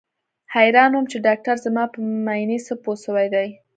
حيران وم چې ډاکتر زما په مينې څه پوه سوى دى.